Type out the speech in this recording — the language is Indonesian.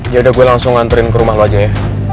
yaudah gue langsung nganterin ke rumah lo aja ya